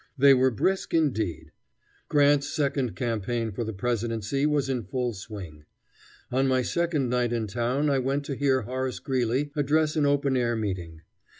They were brisk indeed. Grant's second campaign for the Presidency was in full swing. On my second night in town I went to hear Horace Greeley address an open air meeting.